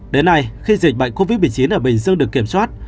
đến nay khi dịch bệnh covid một mươi chín ở bình dương được kiểm soát